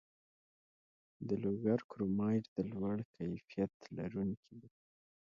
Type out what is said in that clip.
د لوګر کرومایټ د لوړ کیفیت دی